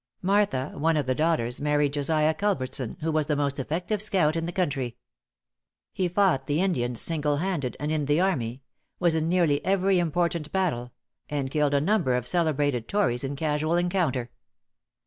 Martha, one of the daughters, married Josiah Culbertson, who was the most effective scout in the country. He fought the Indians singlehanded and in the army; was in nearly every important battle; and killed a number of celebrated tories in casual encounter.